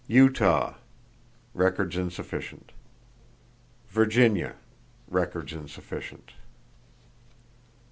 Utah: Records insufficient. Virginia: Records insufficient.